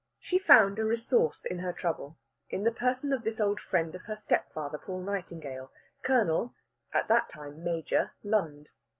She found a resource in her trouble in the person of this old friend of her stepfather Paul Nightingale, Colonel (at that time Major) Lund.